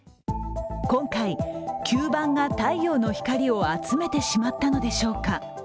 今回、吸盤が太陽の光を集めてしまったのでしょうか。